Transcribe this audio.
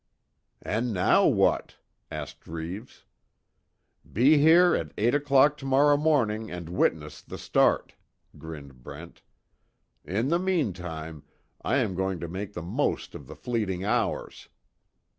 "And now, what?" asked Reeves. "Be here at eight o'clock tomorrow morning and witness the start," grinned Brent, "In the meantime, I am going to make the most of the fleeting hours."